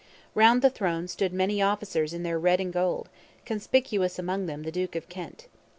Round the throne stood many officers in their red and gold, conspicuous among them the Duke of Kent.